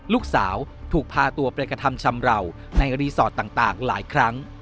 ลูกสาวถูกพาตัวไปกระทำชำราวในรีสอร์ทต่างหลายครั้ง